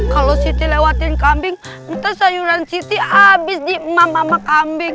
kalau siti lewatin kambing ntar sayuran siti abis di emam emam kambing